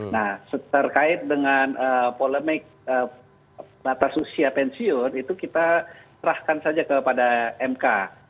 nah terkait dengan polemik batas usia pensiun itu kita serahkan saja kepada mk